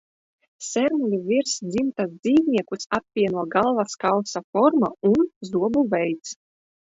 Sermuļu virsdzimtas dzīvniekus apvieno galvaskausa forma un zobu veids.